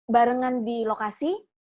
barengan di lokasi